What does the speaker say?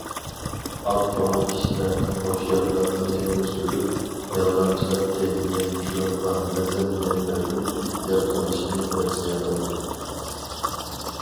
ئاق كۆڭۈل كىشىلەرنىڭ ھوشيارلىقنى ئۆستۈرۈپ، يالغانچىلىق كەينىگە يوشۇرۇنغان رەزىل نىيەتلەردىن ئېھتىيات قىلىشىنى تەۋسىيە قىلىمەن.